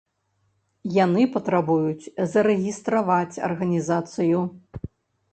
Яны патрабуюць зарэгістраваць арганізацыю.